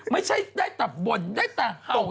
ไม่ใช่ได้แต่บ่นได้แต่เห่า